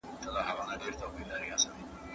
د کار ځواک د روزنې نشتوالی د پرمختګ کچه ټیټوي.